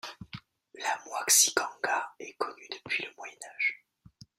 La moixiganga est connue depuis le Moyen Âge.